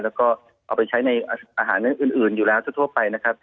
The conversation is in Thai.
แล้วก็เอาไปใช้ในอาหารเรื่องอื่นอยู่แล้วทั่วไปนะครับ